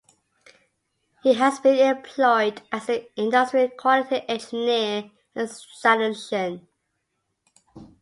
He has been employed as an industrial quality engineer and statistician.